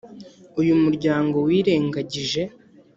uyu muryango wirengagije